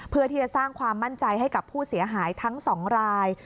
เพื่อที่จะสร้างความมั่นใจให้กับผู้เสียหายทั้ง๒ราย